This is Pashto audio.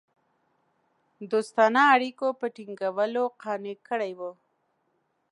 دوستانه اړېکو په ټینګولو قانع کړي وه.